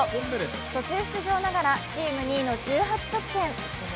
途中出場ながらチーム２位の１８得点。